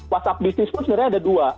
whatsapp bisnis pun sebenarnya ada dua